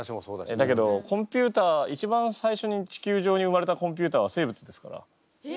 だけど一番最初に地球上に生まれたコンピューターは生物ですから。えっ？